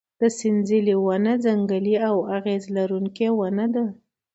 د سنځلې ونه ځنګلي او اغزي لرونکې ونه ده.